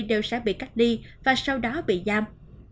đều sẽ bị cắt đi và sau đó bị giam